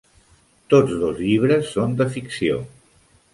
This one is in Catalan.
Tots dos llibres són de ficció.